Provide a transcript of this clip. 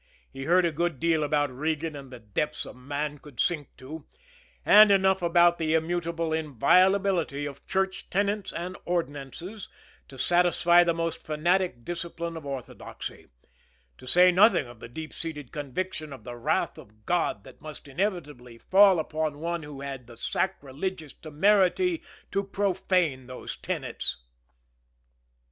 He heard a good deal about Regan and the depths a man could sink to, and enough about the immutable inviolability of church tenets and ordinances to satisfy the most fanatic disciple of orthodoxy to say nothing of the deep seated conviction of the wrath of God that must inevitably fall upon one who had the sacrilegious temerity to profane those tenets.